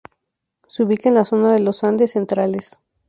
Se ubica en la zona de los Andes centrales.